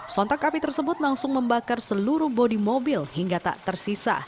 sontak api tersebut langsung membakar seluruh bodi mobil hingga tak tersisa